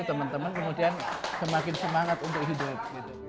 teman teman kemudian semakin semangat untuk hidup